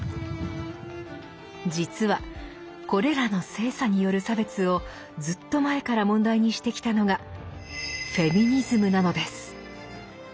実はこれらの性差による差別をずっと前から問題にしてきたのが「フェミニズム」なのです。